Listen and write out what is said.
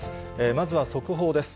まずは速報です。